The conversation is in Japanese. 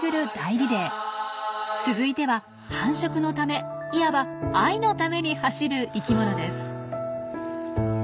続いては繁殖のためいわば「愛」のために走る生きものです。